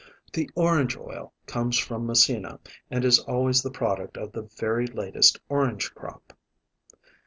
The orange oil comes from Messina and is always the product of the very latest orange crop.